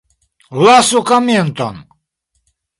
Lasu komenton!